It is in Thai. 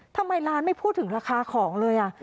ทำไมร้านไม่พูดถึงราคาของเลย